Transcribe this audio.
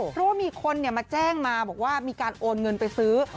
เพราะว่ามีคนมาแจ้งมาบอกว่ามีการโอนเงินไปซื้อ